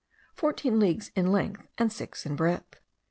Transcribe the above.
fourteen leagues in length and six in breadth.